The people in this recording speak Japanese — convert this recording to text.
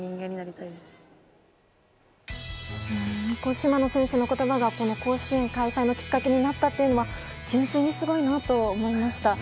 島野選手の言葉が甲子園開催のきっかけになったというのは純粋にすごいと思いました。